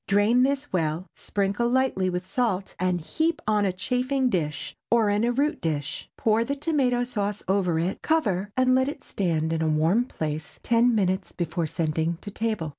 Drain this well, sprinkle lightly with salt, and heap upon a chafing dish or in a root dish. Pour the tomato sauce over it; cover and let it stand in a warm place ten minutes before sending to table.